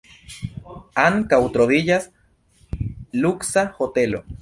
Ankaŭ troviĝas luksa hotelo.